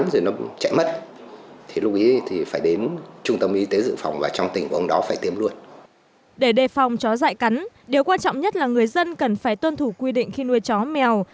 để phòng chó dại cắn điều quan trọng nhất là người dân cần phải tuân thủ quy định khi nuôi chó mèo